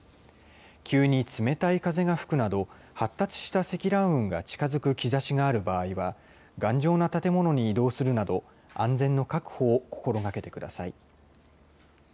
急に冷たい風が吹くなど、発達した積乱雲が近づく兆しがある場合は、頑丈な建物に移動するなど、安全の確保を心がけてください。